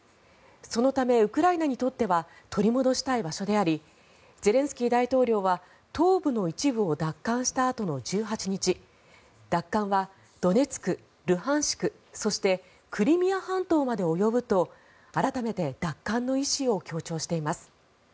そのため、ウクライナにとっては取り戻したい場所でありゼレンスキー大統領は東部の一部を奪還したあとの１８日奪還はドネツク、ルハンシクそしてクリミア半島まで及ぶと改めて奪還の意思を強調しています。